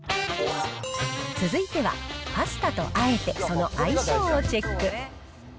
続いては、パスタとあえてその相性をチェック。